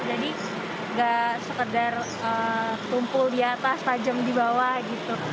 jadi nggak sekedar tumpul di atas tajam di bawah gitu